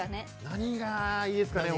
何がいいですかね。